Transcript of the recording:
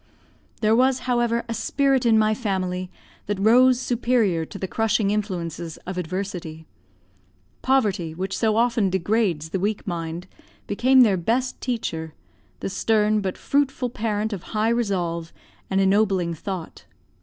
There was, however, a spirit in my family that rose superior to the crushing influences of adversity. Poverty, which so often degrades the weak mind, became their best teacher, the stern but fruitful parent of high resolve and ennobling thought.